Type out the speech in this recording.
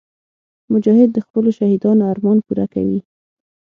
مجاهد د خپلو شهیدانو ارمان پوره کوي.